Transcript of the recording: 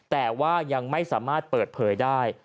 แต่ว่ายังไม่สามารถเปิดเผยได้